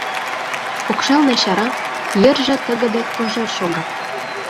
Покшелне чара, йырже тыгыде кожер шога.